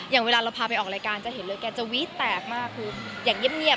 อย่างเวลาเราพาไปออกรายการจะเห็นเลยแกจะวีดแตกมากคืออย่างเงียบ